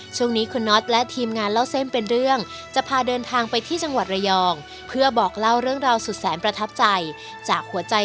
ช่วงนี้คุณน็อตและทีมงานเล่าเส้นเป็นเรื่องจะพาเดินทางไปที่จังหวัดระยองเพื่อบอกเล่าเรื่องราวสุดแสนประทับใจจากหัวใจ